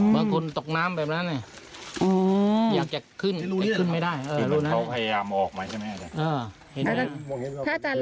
เขาพยายามออกมาใช่ไหมอาจารย์